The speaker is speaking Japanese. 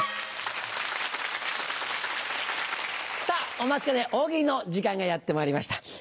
さぁお待ちかね大喜利の時間がやってまいりました。